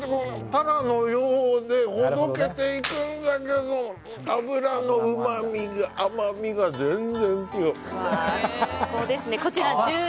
タラのようにほどけていくんだけど脂のうまみ、甘みが全然違う。